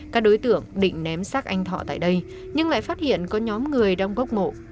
các đối tượng định ném sát anh thọ tại đây nhưng lại phát hiện có nhóm người đang góc mộ